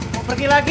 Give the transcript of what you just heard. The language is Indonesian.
mau pergi lagi